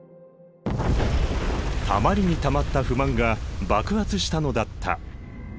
たまりにたまった不満が爆発したのだった。